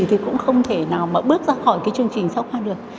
thì cũng không thể nào mà bước ra khỏi chương trình sáu khoa được